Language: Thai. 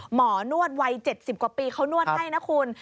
หมอนวดวัย๗๐กว่าปีเขานวดให้นะคุณ